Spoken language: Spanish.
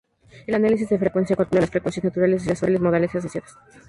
El análisis de frecuencia calcula las frecuencias naturales y las formas modales asociadas.